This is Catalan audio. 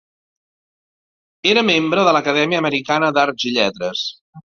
Era membre de l'Acadèmia Americana d'Arts i Lletres.